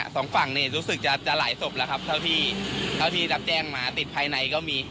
สองฝั่งรู้สึกจะไหลศพแหละครับเท่าที่ท้ายเต้งมาติดภายในก็มี